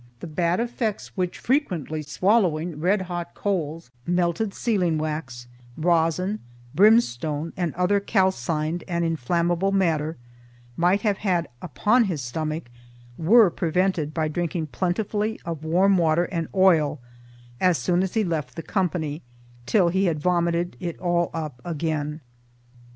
The bad effects which frequently swallowing red hot coals, melted sealing wax, rosin, brimstone and other calcined and inflammable matter, might have had upon his stomach were prevented by drinking plentifully of warm water and oil, as soon as he left the company, till he had vomited it all up again.